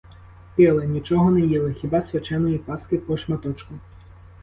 Пили, нічого не їли, хіба свяченої паски по шматочку.